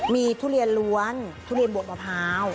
มีทุเรียนล้วนทุเรียนบดมะพร้าว